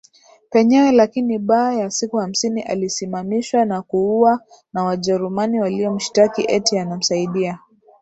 penyewe lakini baaa ya siku hamsini alisimamishwa na kuuwa na Wajerumani waliomshtaki eti anamsaidia